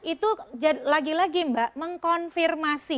itu lagi lagi mbak mengkonfirmasi